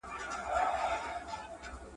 په شيدو سوځلی مستې پو کي.